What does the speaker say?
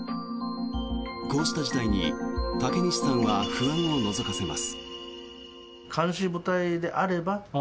こうした事態に嵩西さんは不安をのぞかせます。